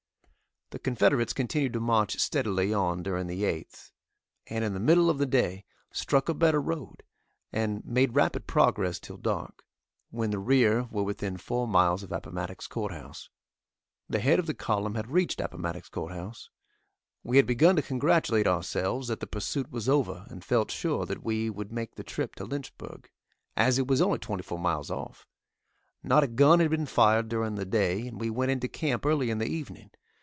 The Confederates continued to march steadily on during the 8th, and in the middle of the day struck a better road, and made rapid progress till dark, when the rear were within four miles of Appomattox Courthouse. The head of the column had reached Appomattox Courthouse. We had begun to congratulate ourselves that the pursuit was over, and felt sure that we would make the trip to Lynchburg, as it was only 24 miles off. Not a gun had been fired during the day, and we went into camp early in the evening.